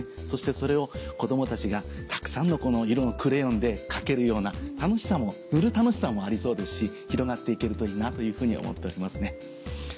そしてそれを子どもたちがたくさんの色のクレヨンで描けるような楽しさも塗る楽しさもありそうですし広がって行けるといいなというふうに思っております。